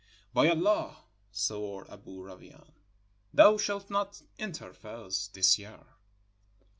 "By Allah," swore Aboo Rawain, "thou shalt not enter Fez this year!"